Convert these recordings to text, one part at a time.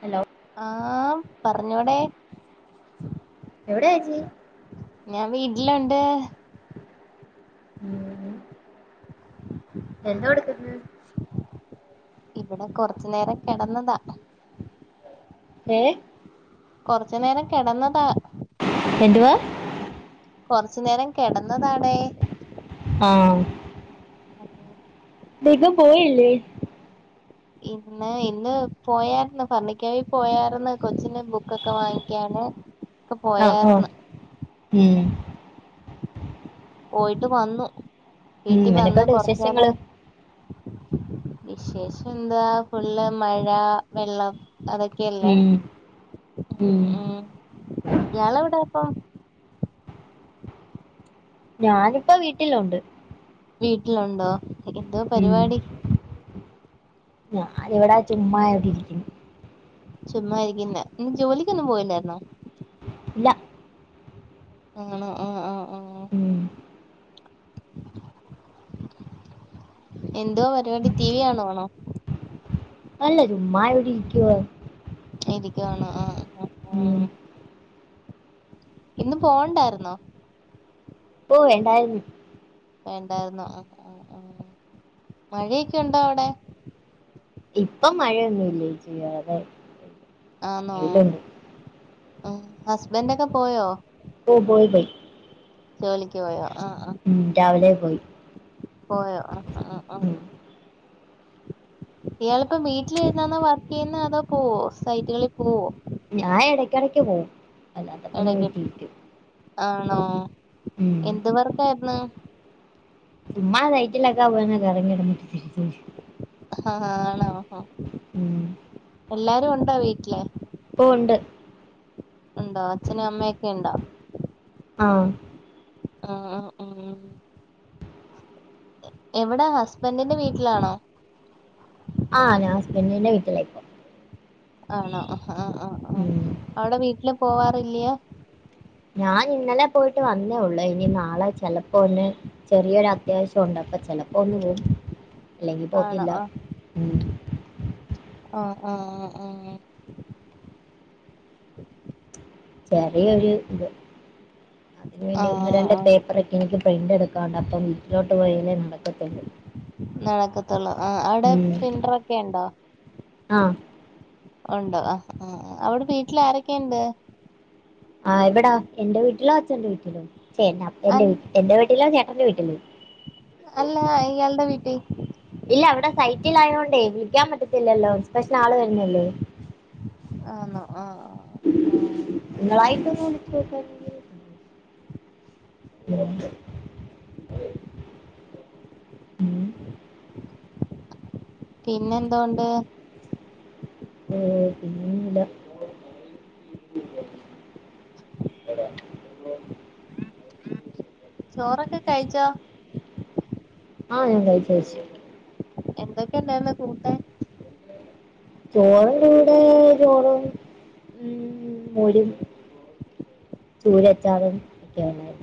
Hello ആഹ് പറഞ്ഞോടെ എവിടെയാ ചേച്ചി ഞാൻ വീട്ടിലൊണ്ട് ഉം എന്തോ കൊടുത്തുവിട്ട് ഇവിടെ കൊറച്ചു നേരം കെടന്നതാ ഏയെ കൊറച്ചു നേരം കെടന്നതാ എന്തുവാ കൊറച്ചു നേരം കെടന്നതാണെ ആഹ് ഇന്ന് എങ്ങും പോയില്ലേ ഇന്ന് ഇന്ന് പോയരുന്നു ഭരണിക്കാവി പോയരുന്നു കൊച്ചിന് ബുക്കൊക്കെ വാങ്ങിക്കാണ് ആഹഹ് ആഹ് ഉം പോയിട്ട് വന്നു ഉം വീട്ടിൽ വന്ന് എനക്കുണ്ട് കൊറച്ച് വിശേഷങ്ങള് നേരം- വിശേഷം എന്താ ഫുള്ള് മഴ വെള്ളം അതൊക്കെ ല്ലേ ഉം ഉം ഉം യാള് എവിടെയാ ഇപ്പം ഞാനിപ്പോ വീട്ടിലോണ്ട് വീട്ടിലുണ്ടോ എന്തോ ഉം പരിപാടി ഞാനിവിടാ ചുമ്മാ ഇവിടെ ഇരിക്കുന്നു ചുമ്മായിരിക്കന്ന് നിനക്ക് ജോലിക്കൊന്നും പോയില്ലായിരുന്നോ ഇല്ല നിങ്ങളോ ആഹ് ആഹ് ആഹ് ഉം എന്തുവാ പരിപാടി ടി വി കാണു വാണോ അല്ല ചുമ്മാ ഇവിടെ ഇരിക്കുവ ഇരിക്കണോ ആആ [inaudible] ഇന്നും പോണ്ടാര് ന്നോ? ഓ വേണ്ടായിര് ന്നു വേണ്ടാര് ന്നു ആ മഴയൊക്കെ ഉണ്ടോ അവിടെ? ഇപ്പൊ മഴയൊന്നുല്ല ചെയ്യാതെ ആന്നോ അ ഹസ്ബന്റൊക്കെ പോയോ? ഓ പോയി പോയ്‌ ജോലിക്ക് പോയോ ആഹ് ആഹ് ഉം രാവിലെ പോയി പോയോ ആ ആഹ് ഉം ഇയാളിപ്പോ വീട്ടിലിരിന്നാന്നോ വർക്കീ യ്യ് ന്ന് അതോ പോവോ സൈറ്റുകളിൽ പോവോ? ഞാൻ ഇടയ്ക്കിടയ്ക്ക് പോവും അല്ലാത്തപ്പോ ഞാൻ ഇടക്ക് വീട്ടിലിരിക്കും ആണോ ഉം എന്ത് വർക്കായിരുന്നു ചുമ്മാ സൈറ്റിലക്കാ പോയി ഒന്ന് കറങ്ങിടന്ന് ആ ആണോ എല്ലാരും ഉണ്ടോ വീട്ടിലെ? ഓ ഉ ണ്ട് ഉണ്ടോ അച്ഛനും അമ്മയൊക്കെ ണ്ടോ? ആഹ് ആഹ് ആഹ് ഉം ഉം എവിടെ ഹസ്ബൻറിന്റെ വീട്ടിലാണോ? ആ ഞാൻ ഹസ്ബൻന്റി ന്റെ വീട്ടിലായിപ്പൊ ആണോ ആ ഹാ ആ ഉം. അവിടെ വീട്ടില് പോവാറില്ല്യ ഞാൻ ഇന്നലെ പോയിട്ട് വന്നേ ഉള്ളൂ ഇനി നാളെ ചെിലപ്പോ ഒന്ന് ചെറിയൊരു അത്യാവശ്യംണ്ട് അപ്പ ചെലപ്പോ ഒന്നു പോവും അല്ലെങ്കി ആണോ പോവത്തില്ല ഉമ് ആ അ അ ആ ആഹ് ചെറിയൊരു ഇത് അതിന് വേണ്ടി ഒന്ന് ആഹ് രണ്ട് ആഹ് പേപ്പറ് എനിക്ക് പ്രിൻറ് എടുക്കാണ്ട് അപ്പോ വീ ട്ടി ലോട്ട് പോയാലേ നട നടക്കത്തുള്ളൂ ആ അവിടെ പ്രിന്റർക്കെ ഉണ്ടോ? ആഹ് ഉണ്ടോ ആ അവിടെ വീട്ടിൽ ആരൊക്കെണ്ട്? ആ ഇവിടെ എന്റെ വീട്ടിലോ അച്ഛന്റെ വീട്ടിലോ [unintelligible] എന്റെ അൽ വീട് എന്റെ വീട്ടിലോ ചേട്ടന്റെ വീട്ടിലോ അല്ല ഞാ ഇ യാൾടെ വീ ട്ടി ഇല്ല അവിടെ സൈറ്റിൽ ആയോണ്ടേ വിളിക്കാൻ പറ്റത്തില്ലല്ലോ സെപഷ്യൻ ആള് വരൂ ന്നെയല്ലേ ആണോ ആഹ് ആഹ് ആഹ് നിങ്ങളായിട്ടൊന്ന് വിളിച്ചോ ക്ക് ഉം [inaudible] പിന്നെ എന്തോണ്ട്? ഓ പിന്നെ ല്ല. ചോറൊക്കെ കയ് ച്ചോ? ആ ഞാൻകയ് ച്ചു കയ് ച്ചു. എന്തൊക്കെ ഉണ്ടായിരുന്നുകൂട്ടാൻ? ചോറിന്റെ കൂടെ ചോറും ഉം മോരും ചൂര അച്ചാറും [unintelligible]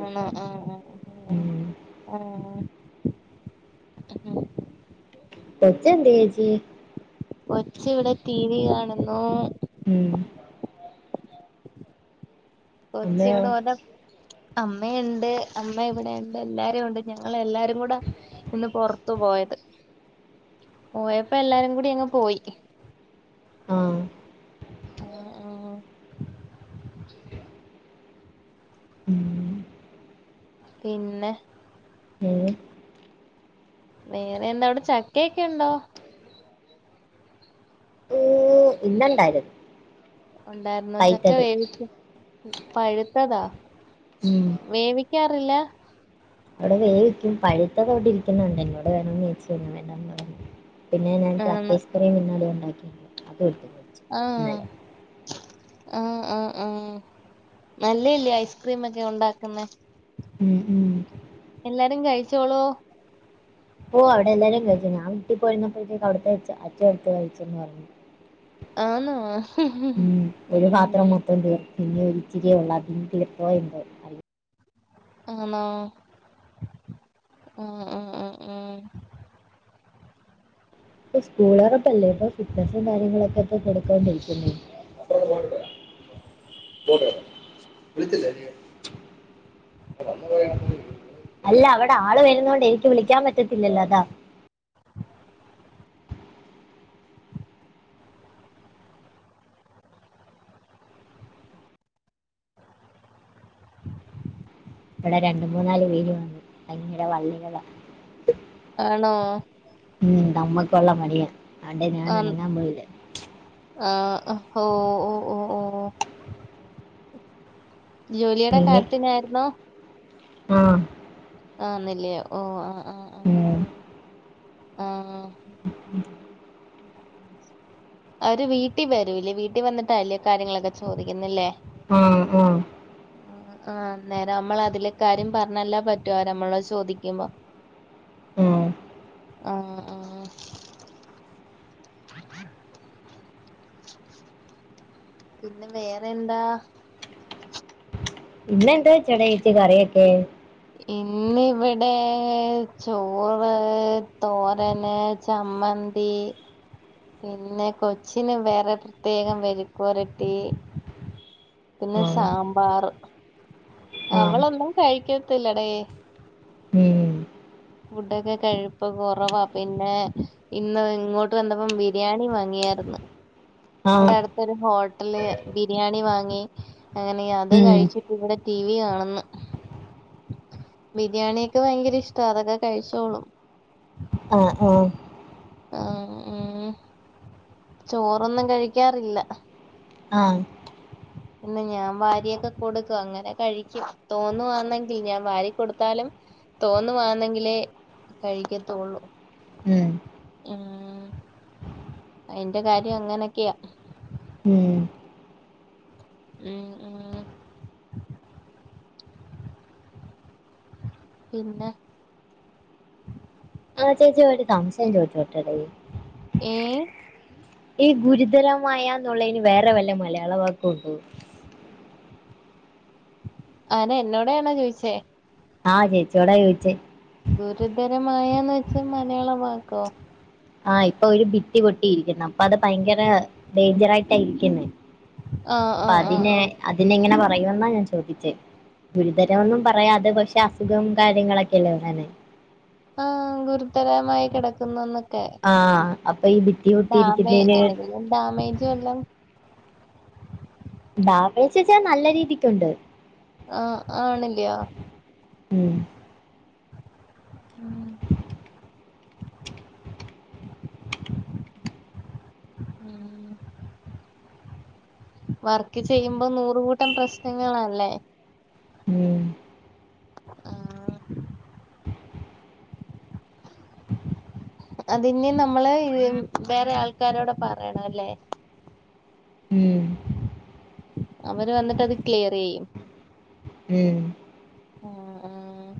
ആണോ ആ ആ പിന്നെ ഉം. ആ കൊച്ച് എന്തിയേ ചേച്ചി കൊച്ച് ഇവിടെ ടി വി കാണുന്നു ഉം അമ്മയോ കൊച്ചിവിടെ ഓ അമ്മയുണ്ട് അമ്മ ഇവിടെ ഉണ്ട് എല്ലാരും ഉണ്ട് ഞങ്ങള് എല്ലാരും കൂട ഒന്ന് പൊറത്തു പോയത് പോയപ്പോ എല്ലാരും കൂടി അങ്ങ് പോയി ആ ആഹ് ആ [unintelligible] പിന്നെ ഏ? വേറെ എന്താ അവിടെ ചക്കയൊക്കെ ഉണ്ടോ ഇന്നണ്ടാരും ഉണ്ടായിരുന്നോ ചക്ക വേവിച്ച് പഴുത്തതാ ഉം വേവിക്കാറില്ല അവിടെ വേവിക്കും പഴുത്തത് അവിടെ ഇരിക്കുന്ന കണ്ട് എന്നോട് വേണോന്ന് ചേദിച്ചു ഞാൻ വേണ്ടാന്ന് പറഞ്ഞു പിന്നെ ഞാൻ ആണ് [unintelligible] അത് എടുത്ത് കഴിച്ചു ആഹ് ഇന്നലെ ആഹ് ആഹ് നല്ലയല്ലേ ഐസ് ക്രീംഒക്കെ ഉണ്ടാക്കുന്നേ ഉം ഉം എല്ലാരും കഴിച്ചോളൂ ഓ അവിടെ എല്ലാരും കഴിച്ചു ഞാൻ വിട്ടി പോയിരുന്നപ്പഴത്തേക്ക് അവിടുത്തെ അച്ഛൻ എടുത്ത് കഴിച്ചന്ന് പറഞ്ഞു ആന്നോ ഉം ഒരു പാത്രം ഉം മൊത്തം തി പിന്നെ ഒച്ചിരിയേ ഉള്ള് അതിനി കിളിപ്പോ എന്തോ അറിയില്ല. ആണോ ഉം ഉം ഉം ഉം ഇപ്പം സ്കൂൾ തുറപ്പല്ലേ ഇപ്പൊ ഫിറ്റ്നസും കാര്യങ്ങളൊക്കെ ഇപ്പൊ കൊടുത്തോണ്ടിരിക്കുന്നേ [unintelligible] [unintelligible] അല്ല അവിടെ ആള് വരുന്ന കൊണ്ട് എനിക്ക് വിളിക്കാൻ പറ്റത്തില്ലല്ലോ അതാ ഇവിടെ രണ്ടു മൂന്നാല് വീടുകളുണ്ട് ഭയങ്കര വള്ളികളാ ആണോ ഉം നമ്മുക്കുള്ള പണിയാ അണ്ട് ഞാൻ അനങ്ങാൻ പോയില്ല ആ ഹൊ ഓ ഓ ഓ ഓ ജോലിയുടെ ഇനി കാര്യത്തിനായിരുന്നോ ആ ആന്നല്ലിയോ ഓ ആ ആ ആ ഉം, ആ ആ അവര് വീട്ടിൽ വരൂല്ലേ വീട്ടിൽ വന്നിട്ടാ അല്ലേ കാര്യങ്ങളൊക്കെ ചോദിക്കുന്നില്ലേ ആ ആ ആഹ് അന്നേരം നമ്മൾ അതിലേക്കാര്യം പറഞ്ഞല്ലാ പറ്റോ നമ്മളോട് ചോദിക്കുമ്പോ [inaudible] ആഹ് ആ [unintelligible] [unintelligible] പിന്നെ വേറെ എന്താ ഇന്നെന്തു വെച്ചടെ ചേച്ചി കറിയൊക്കെ ഇന്നിവിടെ ചോറ് തോരന് ചമ്മന്തി പിന്നെ കൊച്ചിന വേറെ പ്രത്യേകം മെഴുക്കുപുരട്ടി പിന്നെ ആ സാമ്പാർ ആ അവളൊന്നും കഴിക്കത്തില്ലടെ ഉം, ഫുഡൊക്കെ കഴുപ്പ് കൊറേവാ പിന്നെ ഇന്ന് ഇങ്ങോട്ട് വന്നപ്പം ബിരിയാണി വാങ്ങിയായിരുന്നു ആ അവിടെ അടു ഒരു ഹോട്ടല് ബിരിയാണി വാങ്ങി അങ്ങനെ അത് ഉം, കഴിച്ചിട്ട് ഇവിടെ ടി വി കാണുന്നു ബിരിയാണിയൊക്കെ ഭയങ്കര ഇഷ്ട അതൊക്കെ കഴിച്ചോളൂ ആഹ് ആഹ് ആഹ് ഉം ചോറൊന്നും കഴിക്കാറില്ല ആഹ് പിന്നെ ഞാൻ വാരിയൊക്കെ കൊടുക്കും അങ്ങനെ കഴിക്കും തോന്നുവാന്നെങ്കിൽ ഞാൻ വാരികൊടുത്താലും തോന്നുവാന്നെങ്കിലേ കഴിക്കത്തോള്ളൂ ഉം, ഉം അയിന്റെ കാര്യ അങ്ങനൊക്കെയാ ഉം. ഉം ഉം പിന്നെ ആഹ് ചേച്ചി ഒരു സംശയം ചോദിച്ചോട്ടടെയ് ഏഹ് ഈ ഗുരുതരമായന്നുള്ളതിന് വേറെ വല്ല മലയാള വാക്കും ഉണ്ടോ അതെ എന്നോടയാണോ ചോയിചെ ആഹ് ചേച്ചിയോടാ ചോയ്ച്ചേ ഗുരുതരമായന്ന് വെച്ചാ മലയാളവാക്കോ ആഹ് ഇപ്പൊ ഒരു ഭിത്തി പൊട്ടിയിരിക്കുന്നു അപ്പൊ അത് ഭയങ്കര ഡേഞ്ചറായിട്ടായിരിക്കുന്നെ ആഹ് അപ്പോ ആഹ് ആഹ് അതിനെ ആഹ് അതിനെ എങ്ങനെ പറയുവെന്നാ ഞാൻ ചോദിച്ചേ ഓഹ് ഗുരുതരമൊന്നും പറയാതെ പക്ഷെ അസുഖം കാര്യങ്ങളൊക്കെയല്ലെ വേറെ ആഹ് ഗുരുതരമായി കിടക്കുന്നന്നൊക്കെ ആഹ് അപ്പൊ ഇതിന് ഡാമേ എന്തെങ്കിലും ഡാമേജും വല്ലോം ഡാമേജ്വെച്ച നല്ല രീതിക്കുണ്ട് ആഹ് ആണല്ലയോ ഉം ഉം ഉം വർക്ക് ചെയ്യുമ്പോ നൂറുകൂട്ടം പ്രശ്നങ്ങളല്ലേ ഉം ആഹ് അതിന് നമ്മള് വേറെ ആൾക്കാരോട് പറയണ അല്ലേ ഉം അവര് വന്നിട്ട് അത് ക്ലിയറായ്യും ഉം ഉം ഉം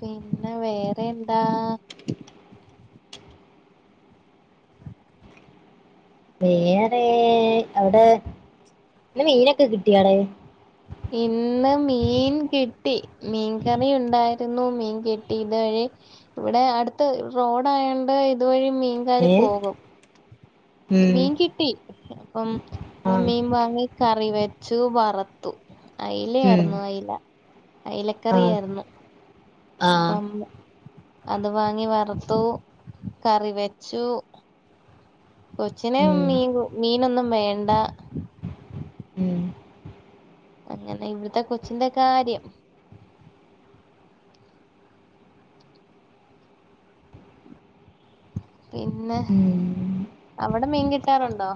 പിന്നെ വേറെയെന്താ വേറെ അവിടെ പിന്നെ മീനൊക്കെ കിട്ടിയാടെയ് ഇന്ന് മീൻ കിട്ടി മീൻകറി ഉണ്ടായിരുന്നു മീൻ കിട്ടി ഇതുവഴി ഇവിടെ അടുത്ത് റോഡ ആയോണ്ട് ഇതുവഴി മീൻകാര് ഏഹ് പോകും ഉം മീൻ കിട്ടി അപ്പം ഇന്ന് ആഹ് മീൻ വാങ്ങി കറി വെച്ചു വറത്തു ഉം അയ്ലയായിരുന്നു അയില അയ്ലക്കറിയായിര്ന്നു ആഹ് അപ്പം അത് വാങ്ങി വറുത്തു കറി വെച്ചു കൊച്ചിന് ഉം മീൻ മീനൊന്നും വേണ്ട ഉം അങ്ങനെ ഇവിടുത്തെ കൊച്ചിന്റെ കാര്യം പിന്നെ ഉം അവിടെ മീൻ കിട്ടാറുണ്ടോ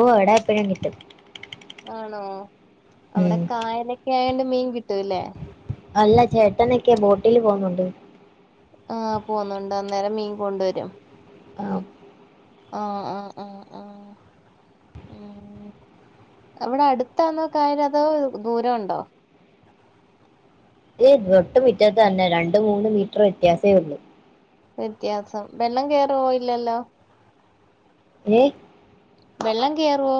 ഓഹ് അടാപ്പഴും കിട്ടും ആണോ ഉം അവടെ കായലൊക്കെ ആയോണ്ട് മീൻ കിട്ടുല്ലെ അല്ല ചേട്ടനൊക്കെ ബോട്ടിൽ പോകുന്നുണ്ട് ആഹ് പോകുന്നുണ്ട് അന്നേരം മീൻ കൊണ്ടുവരും ആഹ് അഹ് അഹ് അഹ് അഹ് ഉം അവിടെ അടുത്താന്നോ കായല് അതോ ദൂരംഉണ്ടോ ഇ തൊട്ട് മുറ്റത്ത് തന്നെ രണ്ട് മൂന്ന് മീറ്റർ വ്യത്യാസെ ഉള്ളൂ വ്യത്യാസം വെള്ളം കേറോ ഇല്ലല്ലോ ഏഹ് വെള്ളം കേറുവോ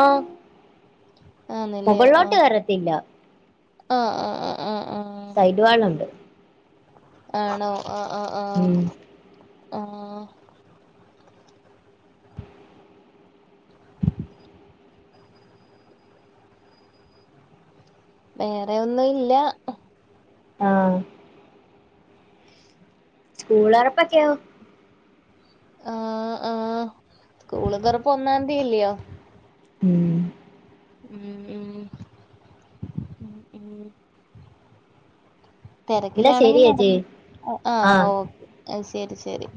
ആഹ് ആഹ് നെല്ലിയോ ആഹ് കയറത്തില്ല ആഹ് ആഹ് ആഹ് ആഹ് സൈടുവാളു ണ്ട് ആണോ ആഹ് ആഹ് ആഹ് ഉം ആഹ് വേറെ ഒന്നും ഇല്ല ആഹ് സ്കൂള എറപ്പൊക്കെയോ ആഹ് ആഹ് സ്കൂള് തോറപ്പ ഒന്നാന്തില്യോ ഉം ഉം ഉം ഉം ഉം ഉം എന്നാ തെരക്കിലാണെങ്കി ശരി ചേച്ചി ആ ആഹ് ഓക്കേ ശരി ശരി